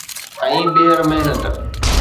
۽ ٻيهر محنت